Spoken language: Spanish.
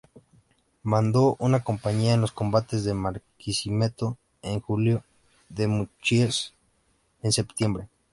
Mandó una compañía en los combates de Barquisimeto en julio, en Mucuchíes en septiembre.